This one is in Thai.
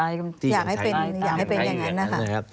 อยากให้เป็นอย่างกันค่ะ